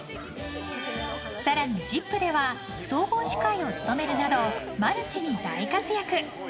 更に、「ＺＩＰ！」では総合司会を務めるなどマルチに大活躍！